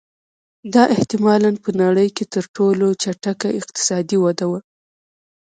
دا احتما لا په نړۍ کې تر ټولو چټکه اقتصادي وده وه